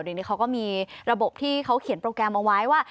เดี๋ยวนี้เขาก็มีระบบที่เขาเขียนโปรแกรมเอาไว้ว่า